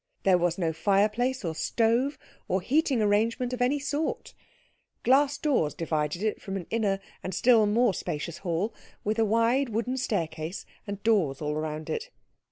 There was no fireplace, or stove, or heating arrangement of any sort. Glass doors divided it from an inner and still more spacious hall, with a wide wooden staircase, and doors all round it.